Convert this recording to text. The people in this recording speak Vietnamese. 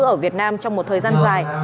ở việt nam trong một thời gian dài